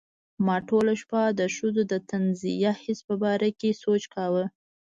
ما ټوله شپه د ښځو د طنزیه حس په باره کې سوچ کاوه.